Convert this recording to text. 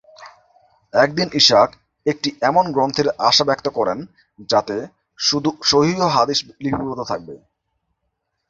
একদিন ইসহাক একটি এমন গ্রন্থের আশা ব্যক্ত করেন যাতে শুধু সহিহ হাদীস লিপিবদ্ধ থাকবে।